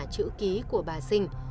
chữ ký của bà sinh